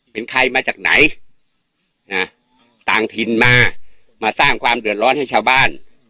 เป็นใครมาจากไหนต่างถิ่นมามาสร้างความเดือดร้อนให้ชาวบ้าน